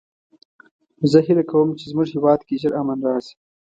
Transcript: زه هیله کوم چې د مونږ هیواد کې ژر امن راشي